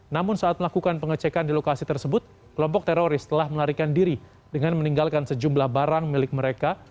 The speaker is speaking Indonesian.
namun saat melakukan pengecekan di lokasi tersebut kelompok teroris telah melarikan diri dengan meninggalkan sejumlah barang milik mereka